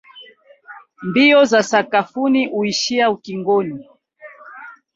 Mbio za sakafuni huishia ukingoni